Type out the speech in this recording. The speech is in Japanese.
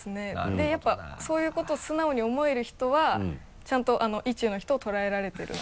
でやっぱそういうこと素直に思える人はちゃんと意中の人をとらえられてるな。